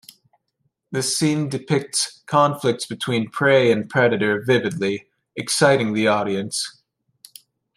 This scene depicts conflicts between prey and predator vividly, exciting the audience.